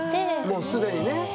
もうすでにね。